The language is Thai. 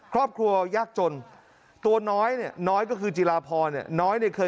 ครอบครัวยากจน